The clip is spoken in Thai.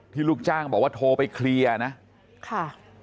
ลูกจ้างบอกว่าโทรไปเคลียร์นะค่ะ